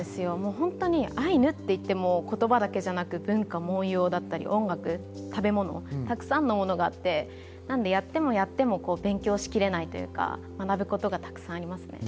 アイヌって言っても言葉だけじゃなく文化、文様、音楽、食べ物、たくさんのものがあって、やってもやっても勉強しきれないというか、学ぶことがたくさんあります。